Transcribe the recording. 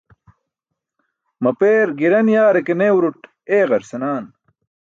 Mapeer giran yaare ke newruṭ eeeġar senaan.